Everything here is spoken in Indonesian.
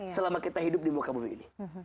selama kita hidup di muka bumi ini